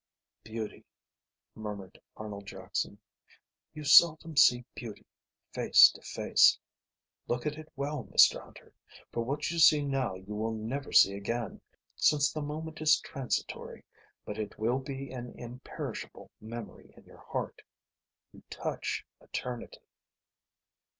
"Beauty," murmured Arnold Jackson. "You seldom see beauty face to face. Look at it well, Mr Hunter, for what you see now you will never see again, since the moment is transitory, but it will be an imperishable memory in your heart. You touch eternity."